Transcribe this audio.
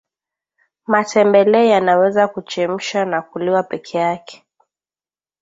matembele yanaweza kuchemsha na kuliwa pekee yake